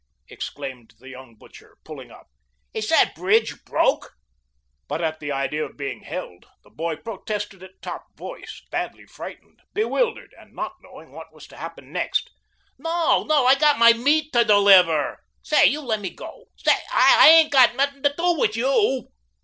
exclaimed the young butcher, pulling up. "Is that bridge broke?" But at the idea of being held, the boy protested at top voice, badly frightened, bewildered, not knowing what was to happen next. "No, no, I got my meat to deliver. Say, you let me go. Say, I ain't got nothing to do with you."